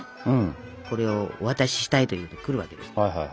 これをお渡ししたいといって来るわけですよ。